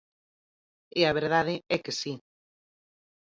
E a verdade é que si.